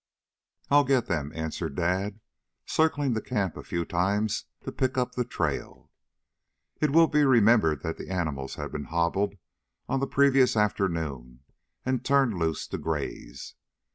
"I'll get them," answered Dad, circling the camp a few times to pick up the trail. It will be remembered that the animals had been hobbled on the previous afternoon and turned loose to graze.